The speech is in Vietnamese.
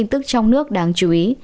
các tin tức trong nước đáng chú ý